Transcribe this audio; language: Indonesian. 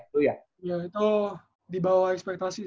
iya itu di bawah ekspektasi